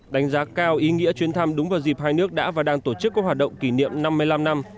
đánh giá cao ý nghĩa chuyến thăm đúng vào dịp hai nước đã và đang tổ chức các hoạt động kỷ niệm năm mươi năm năm